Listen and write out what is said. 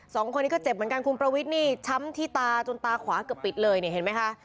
สองคนนี้ก็เจ็บเหมือนกันคุณประวิทย์นี่ช้ำที่ตาจนตาขวาเกือบปิดเลยเนี่ยเห็นไหมคะ